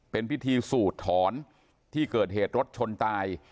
เป็นพิธีสูดถอนที่เกิดเหตุรถชนตาย